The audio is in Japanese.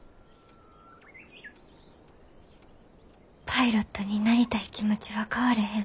パイロットになりたい気持ちは変われへん。